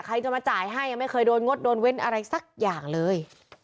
ใครจะมาจ่ายให้ยังไม่เคยโดนงดโดนเว้นอะไรสักอย่างเลย